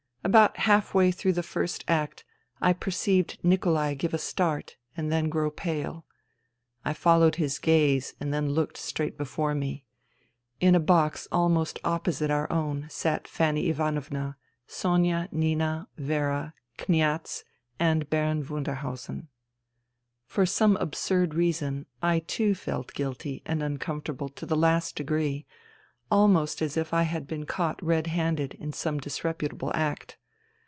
About half way through the first act I perceived Nikolai give a start and then grow pale. I followed his gaze and then looked straight before me. In a box almost opposite our own sat Fanny Ivanovna, Sonia, Nina, Vera, Kniaz, and Baron Wunderhausen. For some absurd reason I, too, felt guilty and un comfortable to the last degree, almost as if I had been caught red handed in some disreputable act.